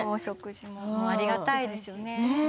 ありがたいですね。